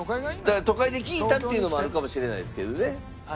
都会で聞いたっていうのもあるかもしれないですけどね。